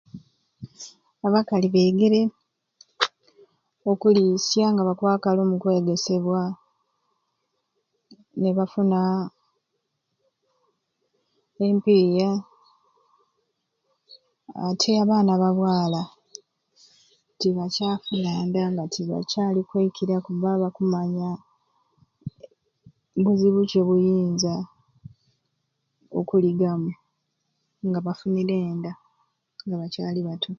Abakali beegere okuliisya nga bakwakala omu kwegesebwa ni bafuna empiiya ati abaana ba bwala tibacaafuna nda nga tibacaali kwekira kubba bakumanya buzibu ki obuyinza okuligamu nga bafunire enda nga bacaali bato .